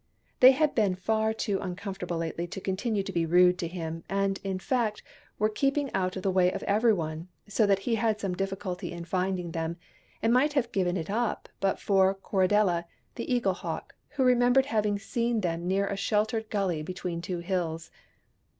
They had been far too uncomfortable lately to continue to be rude to him, and, in fact, were keeping out of the THE BURNING OF THE CROWS 199 way of every one ; so that he had some difficulty in finding them, and might have given it up but for Corridella, the Eagle hawk, who remembered having seen them near a sheltered gully between two hills.